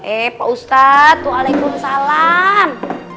eh pak ustadz waalaikumsalam